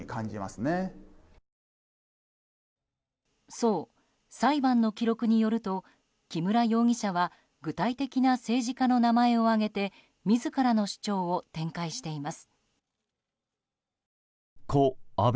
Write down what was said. そう、裁判の記録によると木村容疑者は具体的な政治家の名前を挙げて自らの主張を展開しています。